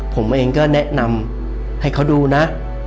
ผมเองก็แนะนำให้เขาดูนะ